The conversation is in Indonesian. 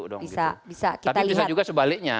tapi bisa juga sebaliknya